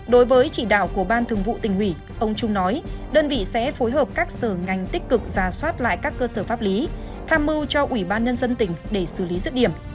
đối với chỉ đạo của ban thường vụ tỉnh ủy ông trung nói đơn vị sẽ phối hợp các sở ngành tích cực ra soát lại các cơ sở pháp lý tham mưu cho ủy ban nhân dân tỉnh để xử lý dứt điểm